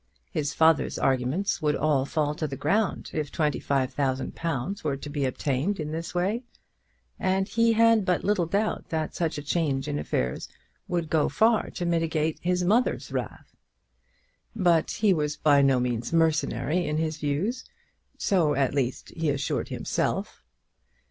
His father's arguments would all fall to the ground if twenty five thousand pounds were to be obtained in this way; and he had but little doubt that such a change in affairs would go far to mitigate his mother's wrath. But he was by no means mercenary in his views; so, at least, he assured himself.